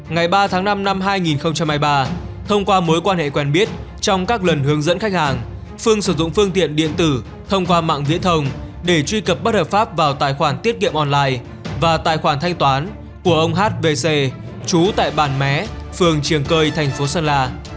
ngày ba tháng năm năm hai nghìn hai mươi ba thông qua mối quan hệ quen biết trong các lần hướng dẫn khách hàng phương sử dụng phương tiện điện tử thông qua mạng viễn thông để truy cập bất hợp pháp vào tài khoản tiết kiệm online và tài khoản thanh toán của ông hvc trú tại bản mé phường triềng cơi thành phố sơn la